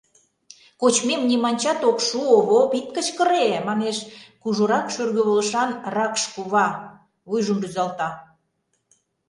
— Кочмем ниманчат ок шу, Овоп, ит кычкыре! — манеш кужурак шӱргывылышан ракш кува, вуйжым рӱзалта.